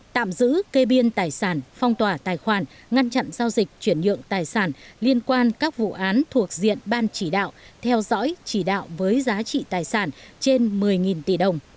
tạm giữ kê biên tài sản phong tỏa tài khoản ngăn chặn giao dịch chuyển nhượng tài sản liên quan các vụ án thuộc diện ban chỉ đạo theo dõi chỉ đạo với giá trị tài sản trên một mươi tỷ đồng